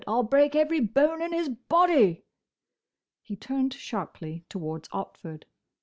I 'll break every bone in his body!" He turned sharply towards Otford.